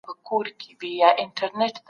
بايد د حقيقت پلټنه وسي.